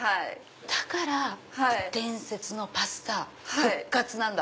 だから伝説のパスタ復活なんだ。